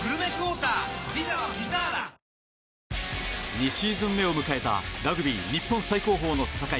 ２シーズン目を迎えたラグビー日本最高峰の戦い